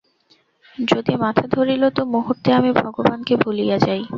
যদি মাথা ধরিল তো মুহূর্তে আমি ভগবানকে ভুলিয়া যাই।